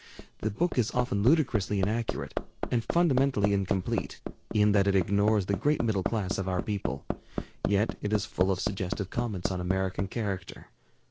The book is often ludicrously inaccurate, and fundamentally incomplete in that it ignores the great middle class of our people, yet it is full of suggestive comments on American character.